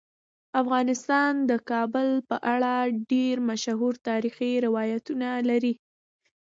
افغانستان د کابل په اړه ډیر مشهور تاریخی روایتونه لري.